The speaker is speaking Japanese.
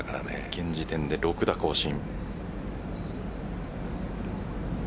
現時点で６打更新。